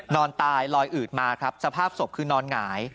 นอนตายลอยอืดมาครับสภาพศพคือนอนหงาย